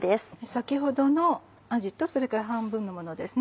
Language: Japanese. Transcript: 先ほどのあじとそれから半分のものです。